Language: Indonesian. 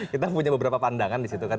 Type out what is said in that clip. kita punya beberapa pandangan disitu kan